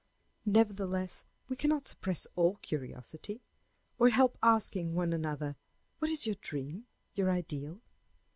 Nevertheless we cannot suppress all curiosity, or help asking one another, What is your dream your ideal?